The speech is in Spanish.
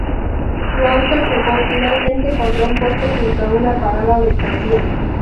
Su auto chocó finalmente contra un poste junto a una parada de tranvía.